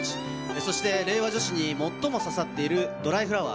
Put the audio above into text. そして、令和女子に最も刺さっているドライフラワー。